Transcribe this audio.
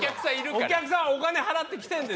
お客さんはお金払って来てんでしょ？